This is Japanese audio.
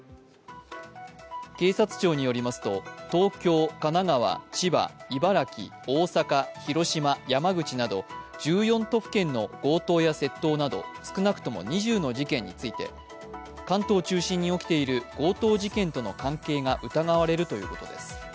警察庁によりますと東京、神奈川、千葉、茨城、大阪、広島、山口など１４都府県の強盗や窃盗など少なくとも２０の事件について、関東中心に起きている強盗事件との関係が疑われるということです。